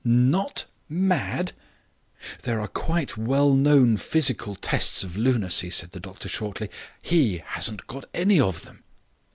"Not mad!" "There are quite well known physical tests of lunacy," said the doctor shortly; "he hasn't got any of them."